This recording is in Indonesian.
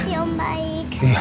ya pak si om baik